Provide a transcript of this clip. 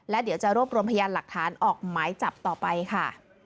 และเดี๋ยวจะรวบรวมพยานหลักฐานออกหมายจับต่อไปค่ะ